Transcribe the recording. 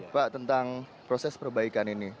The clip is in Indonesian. pak tentang proses perbaikan ini